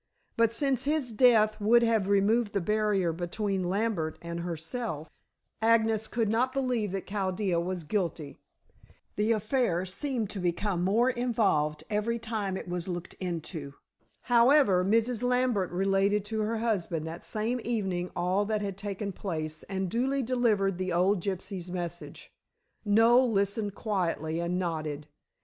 But since his death would have removed the barrier between Lambert and herself, Agnes could not believe that Chaldea was guilty. The affair seemed to become more involved every time it was looked into. However, Mrs. Lambert related to her husband that same evening all that had taken place, and duly delivered the old gypsy's message. Noel listened quietly and nodded.